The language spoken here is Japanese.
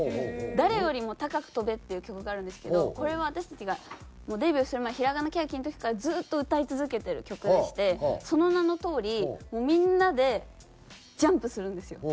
『誰よりも高く跳べ！』っていう曲があるんですけどこれは私たちがデビューする前ひらがなけやきの時からずっと歌い続けてる曲でしてその名のとおりみんなでジャンプするんですよ。